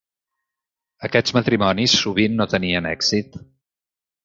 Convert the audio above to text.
Aquests matrimonis sovint no tenien èxit.